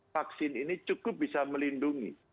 vaksin ini cukup bisa melindungi